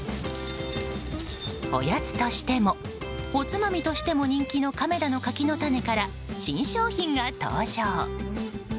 おやつとしてもおつまみとしても人気の亀田の柿の種から新商品が登場。